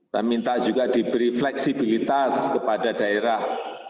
saya minta juga diberi fleksibilitas kepada daerah